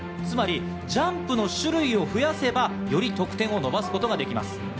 つまりジャンプの種類を増やせば、より得点を伸ばすことができます。